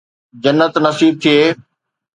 جنت نصيب ٿئي.